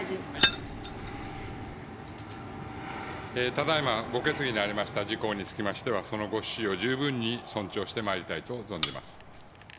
ただいま、ご決議にありました事項につきましては、そのご趣旨を十分に尊重してまいりたいと存じます。